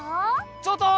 ちょっと！